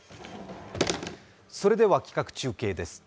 それでは企画中継です。